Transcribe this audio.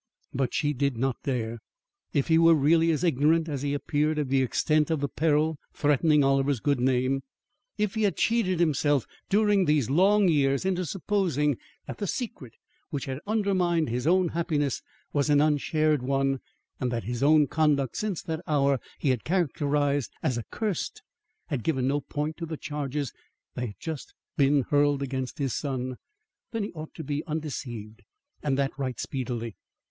But she did not dare. If he were really as ignorant as he appeared of the extent of the peril threatening Oliver's good name; if he had cheated himself during these long years into supposing that the secret which had undermined his own happiness was an unshared one, and that his own conduct since that hour he had characterised as accursed, had given no point to the charges they had just heard hurled against his son, then he ought to be undeceived and that right speedily.